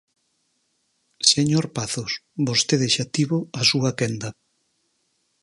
Señor Pazos, vostede xa tivo a súa quenda.